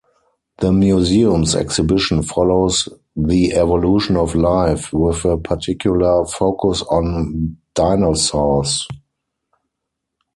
The museum's exhibition follows the evolution of life, with a particular focus on dinosaurs.